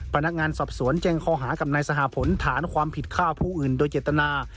พนักงานสอบสวนแจ้งข้อหากับนายสหพลฐานความผิดฆ่าผู้อื่นโดยเจตนา